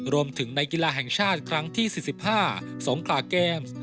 รวมถึงในกีฬาแห่งชาติครั้งที่๔๕สงขลาเกมส์